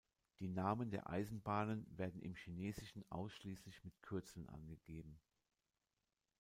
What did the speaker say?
Die Namen der Eisenbahnen werden im Chinesischen ausschließlich mit Kürzeln angegeben.